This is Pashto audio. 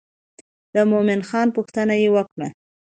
د مومن خان پوښتنه یې وکړه.